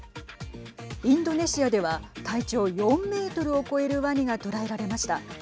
インドネシアでは体長４メートルを超えるワニが捕らえられました。